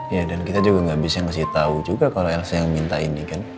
ya dan kita juga nggak bisa ngasih tahu juga kalau lc yang minta ini kan